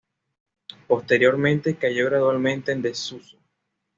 Posteriormente cayó gradualmente en desuso.